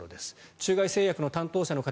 中外製薬の担当者の方。